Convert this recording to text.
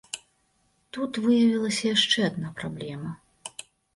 Тут выявілася яшчэ адна праблема.